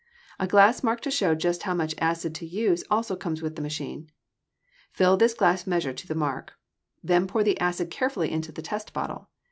A glass marked to show just how much acid to use also comes with the machine. Fill this glass measure to the mark. Then pour the acid carefully into the test bottle.